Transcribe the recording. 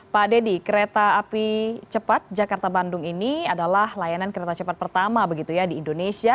pak dedy kereta api cepat jakarta bandung ini adalah layanan kereta cepat pertama begitu ya di indonesia